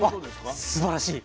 あすばらしい。